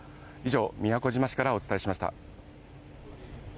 以上、宮古島市からお伝えしました。